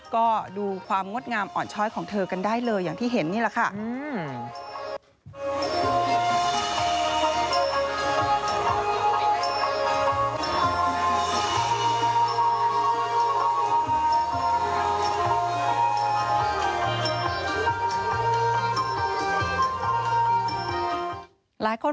ก็ดูความงดงามอ่อนช้อยของเธอกันได้เลยอย่างที่เห็นนี่แหละค่ะ